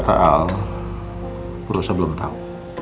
megang ibu bocah bagaiman gimana